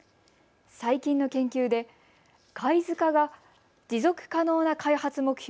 最近の研究で貝塚が持続可能な開発目標